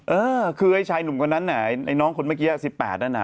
เออคือไอ้ชายหนุ่มคนนั้นน่ะไอ้น้องคนเมื่อกี้๑๘นั่นน่ะ